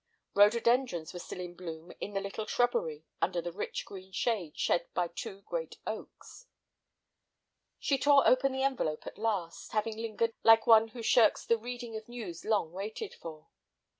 Rhododendrons were still in bloom in the little shrubbery under the rich green shade shed by two great oaks. She tore open the envelope at last, having lingered like one who shirks the reading of news long waited for.